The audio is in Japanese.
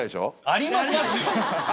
ありますよ！